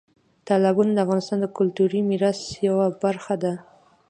تالابونه د افغانستان د کلتوري میراث یوه برخه ده.